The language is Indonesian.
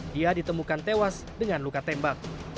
dia ditemukan tewas dengan luka tembak